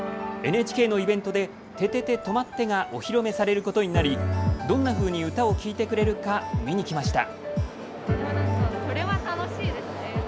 ＮＨＫのイベントで「ててて！とまって！」がお披露目されることになりどんなふうに歌を聴いてくれるか見に来ました。